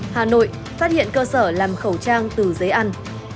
hà nội phát hiện cơ sở làm khẩu trang từ giấy ăn